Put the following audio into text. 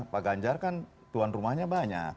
pak ganjar kan tuan rumahnya banyak